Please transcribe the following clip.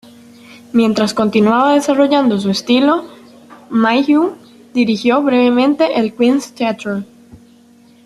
Mientras continuaba desarrollando su estilo, Mayhew dirigió brevemente el Queen's Theatre.